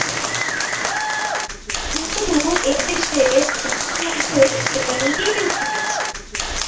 কিন্তু এদেশে ঐদিকে নজর একেবারেই উঠে গেছে।